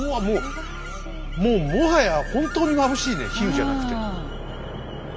もうもうもはや本当にまぶしいね比喩じゃなくて。